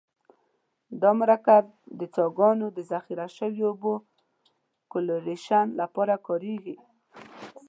دا مرکب د څاګانو او ذخیره شویو اوبو کلورینیشن لپاره کاریږي.